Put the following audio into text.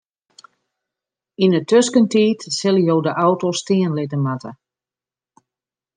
Yn 'e tuskentiid sille jo de auto stean litte moatte.